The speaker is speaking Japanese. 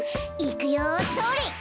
いくよそれ！